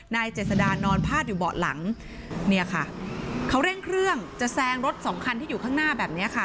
เจษดานอนพาดอยู่เบาะหลังเนี่ยค่ะเขาเร่งเครื่องจะแซงรถสองคันที่อยู่ข้างหน้าแบบนี้ค่ะ